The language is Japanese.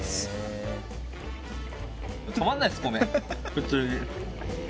普通に。